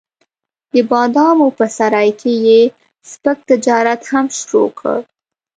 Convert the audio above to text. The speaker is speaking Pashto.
د بادامو په سرای کې یې سپک تجارت هم شروع کړ.